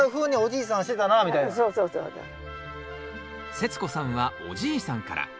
世津子さんはおじいさんから。